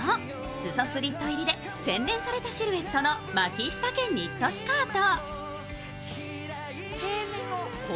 裾スリット入りで洗練されたシルエットのマキシ丈ニットスカート。